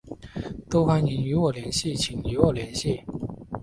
都欢迎与我联系请与我联系